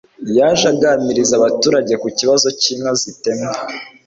yaje aganiriza abaturage ku kibazo cy'inka zitemwa.